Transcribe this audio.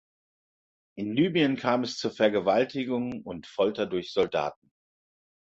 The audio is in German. In Libyen kam es zu Vergewaltigungen und Folter durch Soldaten.